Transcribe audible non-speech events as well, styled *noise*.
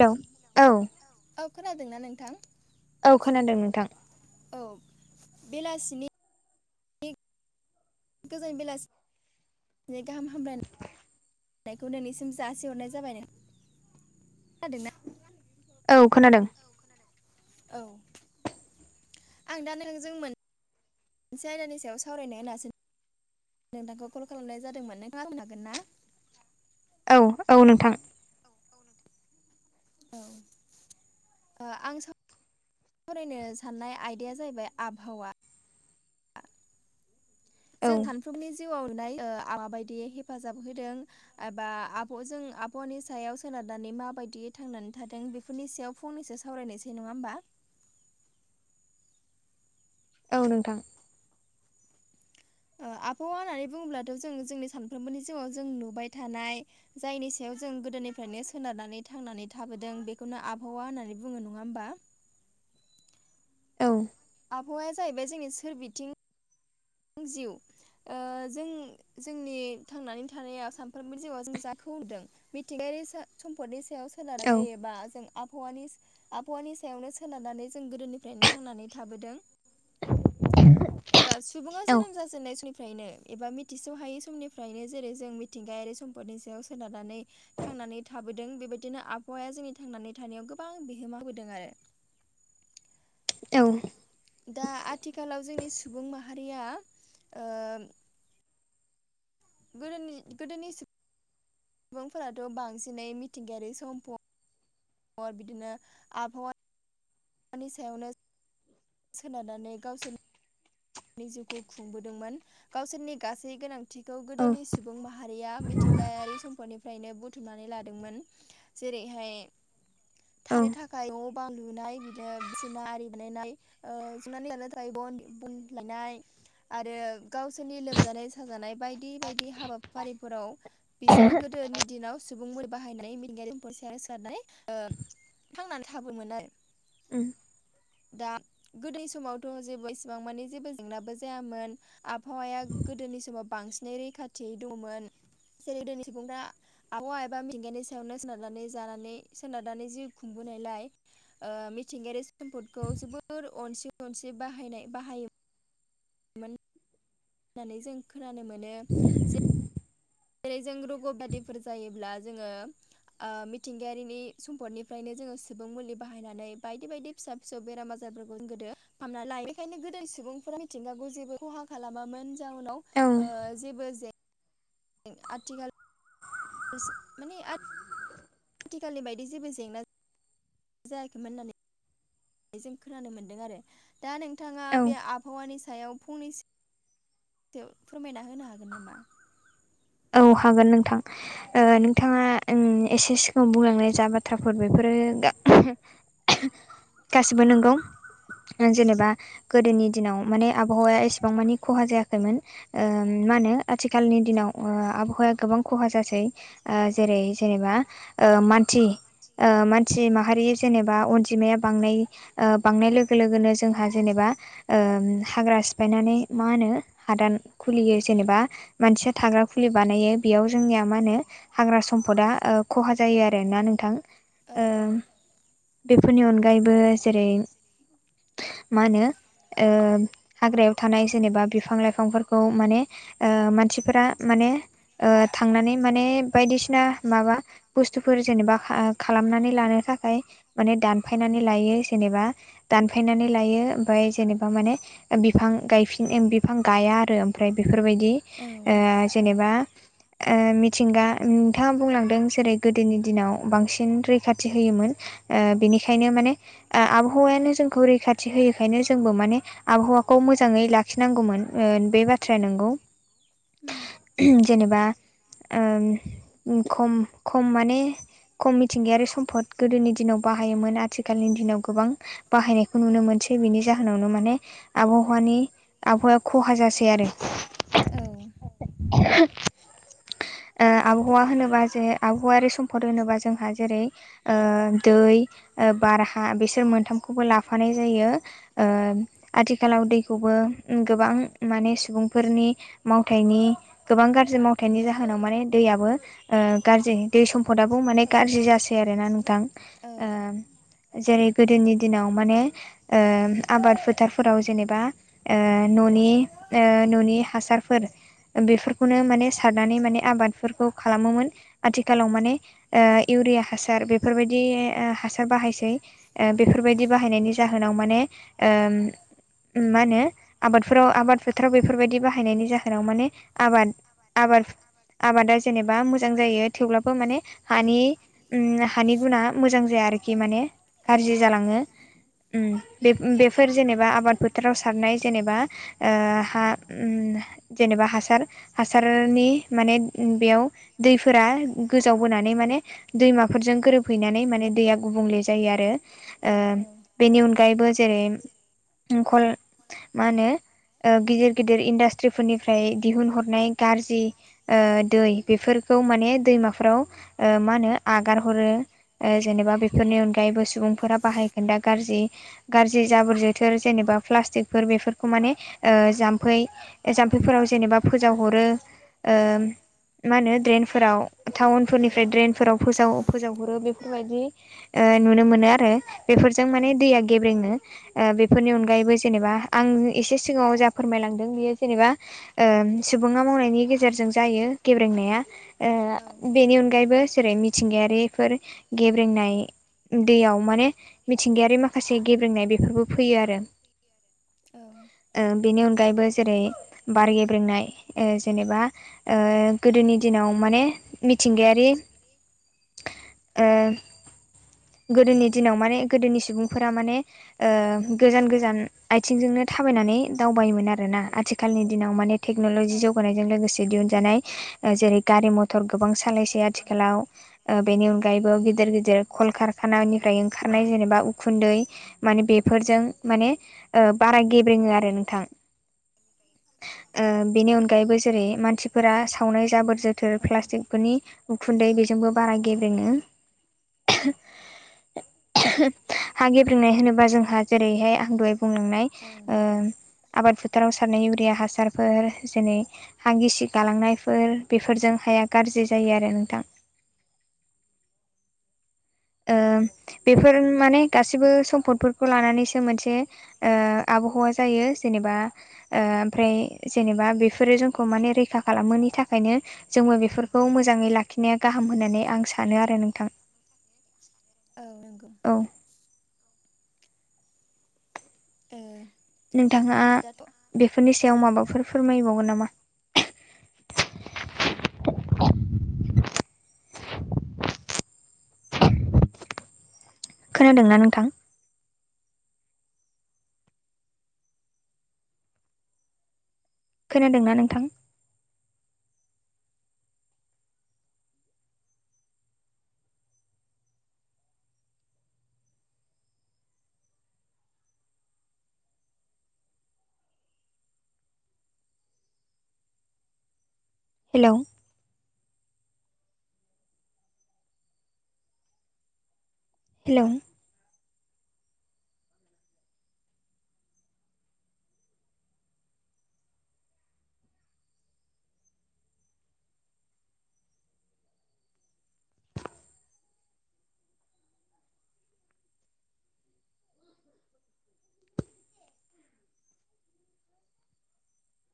Hello औ औ औ खोनादोंना नोंथां औ खोनादों नोंथां। औ बेलासिनि गोजान बेलासि गाहाम हामबाय *unintelligible* *unintelligible* सिम जासिहरनाय जाबाय न म जादोंना। औ खोनादों। औ आं दा नोंजों मोन‌। मोनसे आयदानि सायाव सावरायनाया *unintelligible* नोंथांखौ कल खालामनाय जादोंमोन नोंथाङा बुंनो हागोन ना। औ औ नोंथां *unintelligible* *unintelligible* *unintelligible* साननाय आयदाया जाहैबाय आबहावा। औ जों सानफ्रोमनि *unintelligible* हेफाजाब होदों। एबा आब' जों आबहावानि सायाव सोनारनानै माबायदि थांनानै थादों बे बेफोरनि सायाव फंनैसो सावरायनोसै नङा होमबा। औ नोंथां आबहावा होननानै बुङोब्लाथ' जों जोंनि सानफ्रोमबोनि जिउआव जों नुबाय थानाय। जायनि सायाव जों गोदोनिफ्रायनो सोनारनानै थांनानै थाबोदों बेखौनो आबहावा होननानै बुङो नङा होमबा। औ आबहावाया जाहैबाय जोंनि सोरबिथिं। जिउ जों जोंनि थांनानै थानायाव सानफ्रोमबो जिउआव जों *unintelligible* मिथिंगायारि सम्पदनि सायाव औ सोलारनानै एबा जों आबहावानि आबहावानि सायावनो सोनारनानै जों गोदोनिफ्रायनो थांनानै थाबोदों। एबा सुबुङा जोनोम गोजोननाय समनिफ्रायनो एबा मिथिस' हायै समनिफ्रायनो जेरै जों मिथिंगायारि सम्पदनि सायाव सोनारनानै। थांनानै थाबोदों बेबायदिनो आबहावाया जोंनि थांनानै थानायाव गोबां बिहोमााबदों आरो ओं दा आथिखालाव जोंनि सुबुं माहारिया ओम गोदोनि गोदोनि सुबुंफोराथ' बांसिनै मिथिंगायारि समफ ओ बिदिनो आबहावा नि सायावनो सोनारनानै गावसो नि जिउखौ खुंबोदोंमोन गावसोरनि गासै गोनांथि थिखौ उम गोदोनि सुबुं माहारिया मिथिंगायारि सम्पनि फ्रायनो बुथुमनानै लादोंमोन जेरैहाय थानो थाखाय अ बा लुनाय बिदिनो बिसोरना आरि बानायनाय ओ जुनानै लानो थाखाय ब नायनाय आरो गावसोरनि लोमजानाय साजानाय बायदि बायदि हाबाफारिफोराव बिसोरो गोदोनि दिनाव सुबुंफोर बाहायनानै मिंगायारिफोर सेर सारनाय थांनानै थाबो मोननाय उम दा गोदो समावथ' जेबो इसेबां माने जेबो जेंनाबो जायामोन आबहावाया गोदोनि समाव बांसिनै रैखाथियै दंमोन जेरै दोनि सुबुंफ्रा आबहावा एबा मेंगानि सायावनो सोनारनानै जानानै सोनारनानै जिउ खुंबोनायलाय ओ मिथिंगायारि सम्पदखौ जोबोर अनसि अनसि बाहायनाय बाहाय मोन नानै जों खोनानो मोनो जे रै जों रग' बादिफोर जायोब्ला जोङो ओ मिथिंगायारिनि सम्फदनिफ्रायनो जोङो सुबुं मुलि बाहायनानै बायदि बायदि फिसा फिसौ बेराम आजारफोरखौ जों गोदो फामना लायो बेखायनो गोदो सुबुंफोरा मिथिंगाखौ जेबो खहा खालामामोन जों उनाव औ ओ जेबो जे आथिखाल एसे मानि आ आथिखालनि बायदि जेबो जेंना जायाखैमोन होननानै जों खोनानो मोनदों आरो दा नोंथाङा औ बे आबहावानि सायाव फंनैसो थो फोरमायना होनो हागोन नामा औ हागोन नोंथां ओ नोंथाङा उम एसे सिगाङाव बुंलांनाय जा बाथ्राफोर बेफोरो गासिबो औ नंगौ जेनेबा गोदोनि दिनाव माने आबहावाया एसेबां मानि खहा जायाखैमोन ओ मा होनो आथिखालनि दिनाव ओ आबहावाया गोबां खहा जासै ओ जेरै जेनेबा ओ मान थि ओ मानसि माहारि जेनेबा अनजिमाया बां ओ बांनाय लोगो लोगोनो जोंहा जेनेबा ओ हाग्रा सिफायनानै मा होनो हादान खुलियो जेनेबा मानसिया थाग्रा खुलि बानायो बेयाव जोंनिया मा होनो हाग्रा सम्पदा ओ खहा जायो आरोना नोंथां औ ओ औ बेफोरनि अनगायैबो जेरै मा होनो ओ हाग्रायाव थानाय जेनेबा बिफां लाइफांफोरखौ माने ओ मानसिफोरा माने ओ थांनानै माने बायदिसिना माबा बुस्थुफोर जेनेबा खालामनानै लानो थाखाय माने दानफायनानै लायो जेनेबा दानफायनानै लायो। ओमफाय जेनेबा माने बिफां गायफिन मेन बिफां गाया आरो ओमफ्राय बेफोरबायदि औ ओ जेनेबा ओ मिथिंगा नोंथाङा बुंलांदों जेरै गोदोनि दिनाव बांसिन रैखाथि होयोमोन ओ बिनिखायनो माने आ आबहावायानो जोंखौ रैखाथि होयखायनो जोंबो माने आबहावाखौ मोजाङै लाखिनांगौमोन ओ बे बाथ्राया नोंगौ। उम। जेनेबा ओ उम खम खम माने खम मिथिंगायारि सम्फद गोदोनि दिनाव बाहायोमोन आथिखालनि दिनाव गोबां बाहायनायखौ नुनो मोनसै बिनि जाहोनावनो माने आबहावानि आबहावाया खहा जासै आरो औ *inaudible* ओ आबहावा होनोबा जोङो आबहावायारि सम्पद होनोबा जोंहा जेरै ओ दो बै ओ बारहा बेसोर मोन्थामखौबो लाफानाय जायो। ओ आथिखालाव दैखौबो गोबां माने सुबुंफोरनि मावथायनि गोबां गाज्रि मावथायाइनि जाहोनाव माने दैयाबो ओ गाज्रि दै सम्फदआबो माने गाज्रि जासै आरोना नोंथां। जेरै गोदोनि दिनाव माने ओ आबाद फोथारफोराव जेनेबा ओ न'नि ओ न'नि हासारफोर बेफोरखौनो माने सारनानै माने आबादफोरखौ खालामोमोन आथिखालाव माने ओ इउरिया हासार बेफोरबायदि ओ‌ हासार बाहायसै ओ बेफोरबायदि बाहायनायनि जाहोनाव माने ओ उम मा होनो आबादफोराव आबाद फोथाराव बेफोरबायदि बाहायनायनि जाहोनाव माने आबाद-आबाद-आबादा जेनेबा मोजां जायो थेवब्लाबो माने हानि उम‌ हानि गुना मोजां जाया आरोखि माने गाज्रि जालाङो। उम बे-बेफोर जेनेबा आबाद फोथोराव सारनाय जेनेबा ओ हा उम जेनेबा हासार हासारनि माने बेयाव दैफोरा गोजावबोनानै माने दैमाफोरजों गोरोबहैनानै माने दैया गुबुंले जायो आरो। ओ औ औ बेनि अनगायैबो जेरै खल मा होनो गिदिर गिदिर इन्डासट्रिफोरनिफ्राय दिहुनहर नाय गारजि दै बेफोरखौ माने दैमाफोराव मा होनो आगारहरो। जेनेबा बेफोरनि अनगायैबो सुबुंफोरा बाहाय खोन्दा गारजि गारजि जाबोर जो थोर जेनेबा प्लास्टिकफोर बेफोरखौ माने ओ जामफै जामफैफोराव जेने‌ फोजावहरो मा होनो द्रेन फोराव टाउन फोरनिफ्राय ड्रेनफोराव फोजाव-फोजावहरो बेफोरबायदि नुनो मोनो आरो। बेफोरजों माने दैया गेब्रेङो बेफोरनि अनगायैबो जेनेबा आं एसे सिगाङाव जा फोरमायलांदों बियो जेनेबा सुबुङा मावनायनि गेजेरजों जायो गेब्रेंनाया बेनि अनगायैबो जेरै मिथिंगायारि फोर गेब्रेंनाय दैयाव माने मिथिंगायारि माखासे गेब्रेंनाय बेफोरबो फैयो आरो। औ बेनि अनगायैबो जेरै बार गेब्रेंनाय। जेनेबा गोदोनि दिनाव माने मिथिंगायारि गोदोनि दिनाव माने गोदोनि सुबुंफोरा माने गोजान गोजान आइथिंजोंनो थाबायनानै दावबायोमोन आरोना आथिखाल खालनि दिनाव माने टेक्न'लजि जौगानायजों लोगोसे दिहुनजानाय जेरै गारि मथ टर गोबां सालायसै आथिखालाव। बेनि अनगायैबो गिदिर गिदिर खलकारखानानिफ्राय ओंखारनाय जेनेबा उखुन्दै। माने बेफोरजों माने बारा गेब्रेङो आरो नोंथां। बेनि अनगायैबो जेरै मानसिफोरा सावनाय जाबोर जोथोर प्लास्टिकफोरनि उखुन्दै बेजोंबो बारा गेब्रेङो। हा गेब्रेंनाय होनोबा जोंहा जेरैहाय आं दहाय बुंलांनाय औ ओ नंगौ। आबाद फोथाराव सारनाय इउरिया हासार फोर जेनै हा गिसि गालांनायफोर बेफोरजों हाया गाज्रि जायो आरो नोंथां बेफोर माने गासिबो सम्फदफोरखौ लानानैसो मोनसे आबहावा जायो जेनेबा ओमफ्राय जेनेबा बेफोरो जोंखौ माने रैखा खालामोनि थाखायनो जोङबो बेफोरखौ मोजाङै लाखि आखिनाया गाहाम होननानै आं सानो आरो नोंथां औ नंगौ ओं ओ नोंथांङा दाथ' बेफोरनि सायाव माबाफोर फोरमायबावगोन नामा खोनादोंना नोंथां खोनादोंना नोंथां हेलौ हेलौ